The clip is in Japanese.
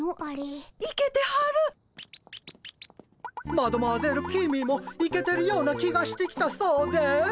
マドモアゼル公もイケてるような気がしてきたそうです。